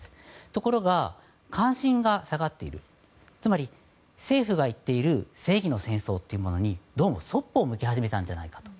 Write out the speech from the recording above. ところが、関心が下がっているつまり、政府が言っている正義の戦争というものにどうもそっぽを向き始めたんじゃないかと。